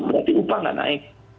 berarti upah nggak naik